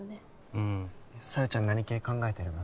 うん小夜ちゃん何系考えてるの？